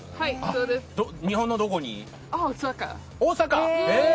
日本のどこに？